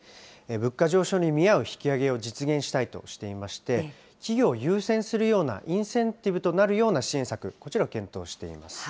物価上昇に見合う引き上げを実現したいとしていまして、企業を優先するようなインセンティブとなるような支援策、こちらを検討しています。